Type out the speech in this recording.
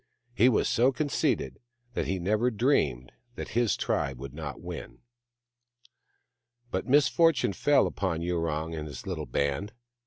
He was so conceited that he never dreamed that his tribe would not win. But misfortune fell upon Yurong and his little band.